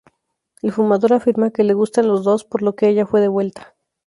El fumador afirma que le gustan los dos, por lo que ella fue devuelta.